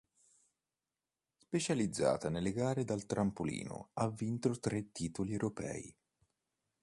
Specializzata nelle gare dal trampolino ha vinto tre titoli europei.